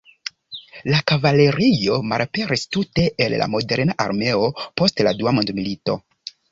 La kavalerio malaperis tute el la moderna armeo post la Dua Mondmilito.